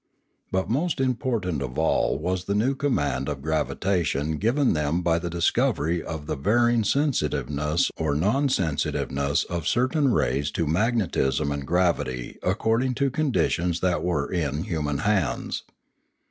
But most important of all was the new command of gravitation given them by the discovery of the varying sensitiveness or non sensitiveness of certain rays to magnetism and gravity according to conditions that were in human hands.